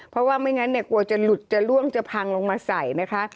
เพราะว่าไม่งั้นเนี่ยกลัวจะหลุดจะล่วงจะพังลงมาใส่นะคะ